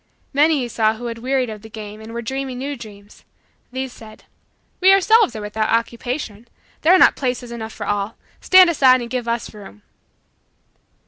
Many he saw who had wearied of the game and were dreaming new dreams. These said: "We ourselves are without Occupation. There are not places enough for all. Stand aside and give us room."